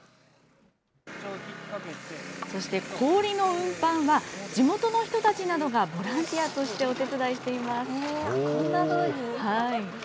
そして氷の運搬は、地元の人たちなどがボランティアとしてお手伝こんなふうに。